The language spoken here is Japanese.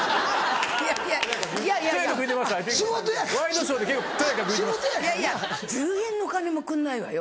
いやいや１０円のお金もくんないわよ